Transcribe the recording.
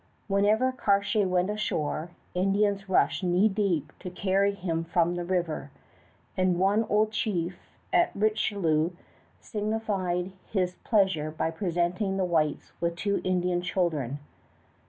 Wherever Cartier went ashore, Indians rushed knee deep to carry him from the river; and one old chief at Richelieu signified his pleasure by presenting the whites with two Indian children.